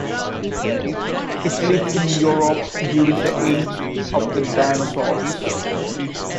It lived in Europe during the age of the dinosaurs.